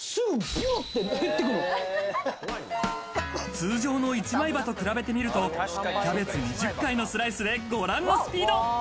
通常の１枚刃と比べてみると、キャベツ２０回のスライスで、ご覧のスピード。